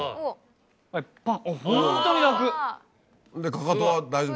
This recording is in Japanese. かかとは大丈夫？